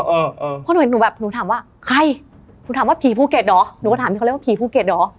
เพราะหนูเห็นหนูแบบหนูถามว่าใครหนูถามว่าผีภูเก็ตเหรอหนูก็ถามพี่เขาเรียกว่าผีภูเก็ตเหรอ